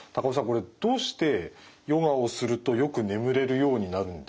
これどうしてヨガをするとよく眠れるようになるんですか？